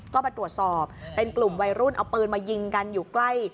ก็มาตรวจสอบเป็นกลุ่มวัยรุ่นเอาปืนมายิงกันอยู่ใกล้